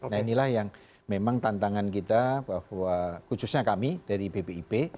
nah inilah yang memang tantangan kita bahwa khususnya kami dari bpip